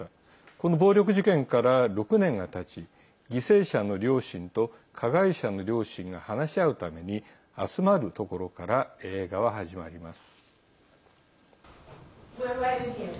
この暴力事件から６年がたち犠牲者の両親と加害者の両親が話し合うために集まるところから映画は始まります。